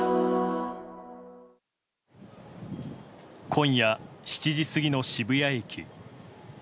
今夜７時過ぎの渋谷駅。